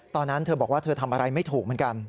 ตอนนั้นเธอบอกว่าเธอทำอะไรไม่ถูกเหมือนกัน